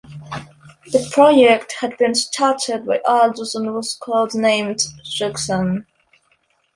The project had been started by Aldus and was code-named "Shuksan".